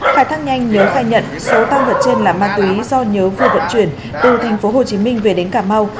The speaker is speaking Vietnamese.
khai thác nhanh nhớ khai nhận số thang vật trên là ma túy do nhớ vừa vận chuyển từ tp hồ chí minh về đến cà mau